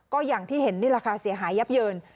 ก็อย่างที่เห็นนี่แหละค่ะเสียหายยับเยิน